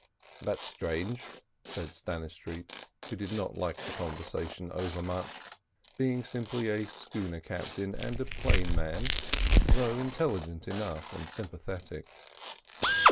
"That's strange," said Stannistreet, who did not like the conversation over much, being simply a schooner captain and a plain man, though intelligent enough and sympathetic.